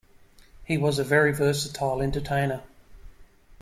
He was a very versatile entertainer